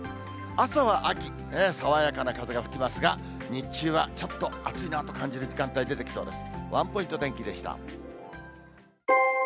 朝は秋、爽やかな風が吹きますが、日中はちょっと暑いなと感じる時間帯出てきそうです。